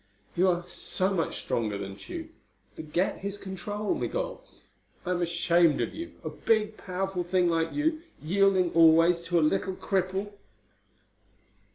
"You are so much stronger than Tugh. Forget his control, Migul. I am ashamed of you a big, powerful thing like you, yielding always to a little cripple."